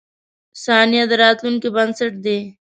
• ثانیه د راتلونکې بنسټ دی.